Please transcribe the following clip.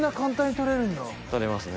取れますね。